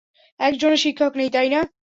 একজনও শিক্ষক নেই, তাই না?